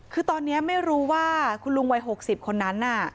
คือตอนนี้ไม่รู้ว่าคุณลุงวัย๖๐คนนั้นน่ะ